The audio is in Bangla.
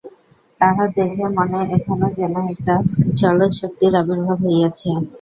তাহার দেহে মনে এখনও যেন একটা চলৎশক্তির আবির্ভাব হইয়াছে।